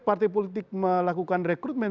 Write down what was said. partai politik melakukan rekrutmen